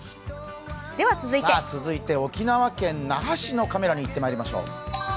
続いて沖縄県那覇市のカメラにいってみましょう。